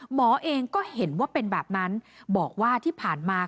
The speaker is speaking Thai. หมอเองก็เห็นว่าเป็นแบบนั้นบอกว่าที่ผ่านมา